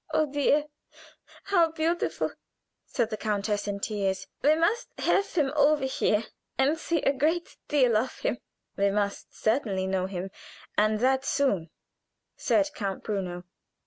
"Oh, dear, how beautiful!" said the countess, in tears. "We must have him over here and see a great deal of him." "We must certainly know him, and that soon," said Count Bruno.